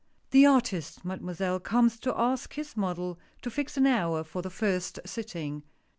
"The artist. Mademoiselle, comes to ask his model, to fix an hour for the first sitting.